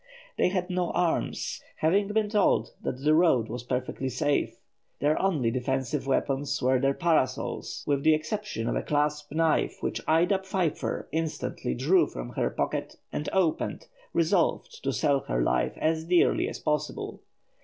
They had no arms, having been told that the road was perfectly safe; their only defensive weapons were their parasols, with the exception of a clasp knife, which Ida Pfeiffer instantly drew from her pocket and opened, resolved to sell her life as dearly as possible.